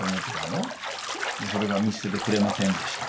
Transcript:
それが見捨ててくれませんでした。